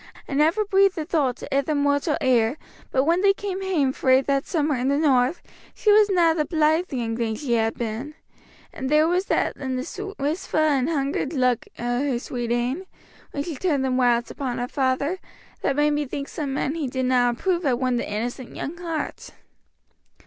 I never breathed the thoct to ither mortal ear, but when they cam hame frae that summer in the North, she was na the blythe young thing she had been; and there was that in the wistfu' and hungered look o' her sweet een when she turned them whiles upon her father that made me think some ane he didna approve had won the innocent young heart."